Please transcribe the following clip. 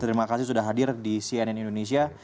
terima kasih sudah hadir di cnn indonesia